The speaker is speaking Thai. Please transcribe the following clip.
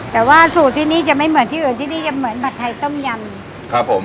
แต่ว่าสูตรที่นี่จะไม่เหมือนที่อื่นที่นี่จะเหมือนผัดไทยต้มยำครับผม